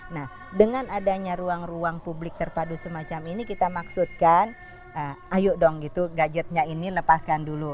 nah dengan adanya ruang ruang publik terpadu semacam ini kita maksudkan ayo dong gitu gadgetnya ini lepaskan dulu